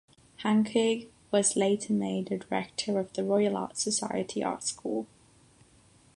Hanke was later made a director of the Royal Art Society art school.